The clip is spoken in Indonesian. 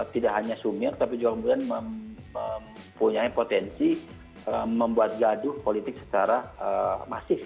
tidak hanya sumir tapi juga kemudian mempunyai potensi membuat gaduh politik secara masif